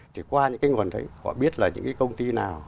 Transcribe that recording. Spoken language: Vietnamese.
thì qua những cái nguồn đấy họ biết là những cái công ty nào